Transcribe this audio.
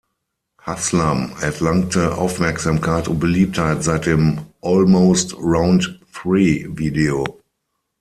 Haslam erlangte Aufmerksamkeit und Beliebtheit seit dem "Almost: Round Three" Video.